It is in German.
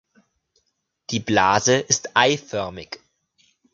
Die Blase ist eiförmig.